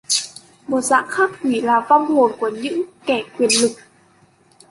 Một dạng khác quỷ là vong hồn của những kẻ Quyền lực